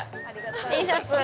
◆Ｔシャツ。